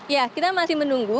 ya kita masih menunggu